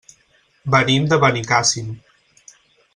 Venim de Benicàssim.